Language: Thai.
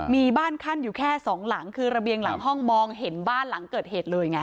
มีบ้านขั้นอยู่แค่สองหลังคือระเบียงหลังห้องมองเห็นบ้านหลังเกิดเหตุเลยไง